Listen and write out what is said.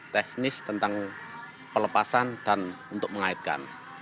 teknis tentang pelepasan dan untuk mengaitkan